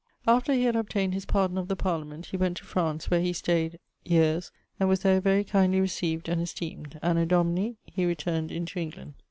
After he had obtayned his pardon of the Parliament, he went to France, where he stayed ... yeares, and was there very kindly recieved, and esteemed. Anno Domini ... he returned into England.